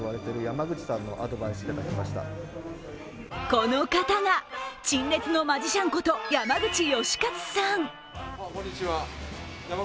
この方が陳列のマジシャンこと、山口能且さん。